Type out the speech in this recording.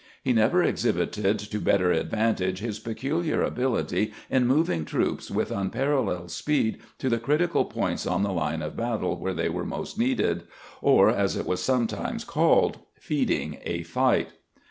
He never exhibited to better advantage his peculiar ability in moving troops with unparalleled speed to the critical points on the line of battle where they were most needed, or, as it was sometimes called, " feeding a fight."